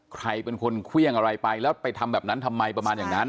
ใครเป็นคนเครื่องอะไรไปแล้วไปทำแบบนั้นทำไมประมาณอย่างนั้น